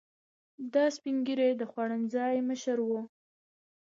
دا سپین ږیری د خوړنځای مشر و.